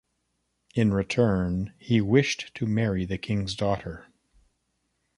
In return, he wished to marry the king's daughter.